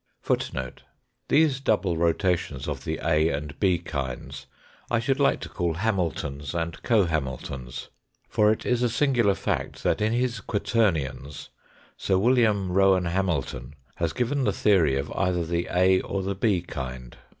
These double rotations of the A and B kinds I should like to call Hamiltons and co Hamiltons, for it is a singular fact that in his "Quaternions" Sir Wm. Eowan Hamilton has given the theory of either the A or the B kind.